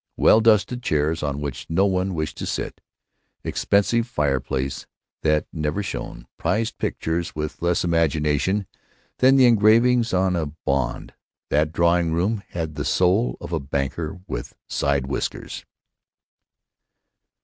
Well dusted chairs on which no one wished to sit; expensive fireplace that never shone; prized pictures with less imagination than the engravings on a bond—that drawing room had the soul of a banker with side whiskers.